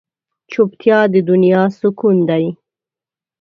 چوپتیا، د دنیا سکون دی.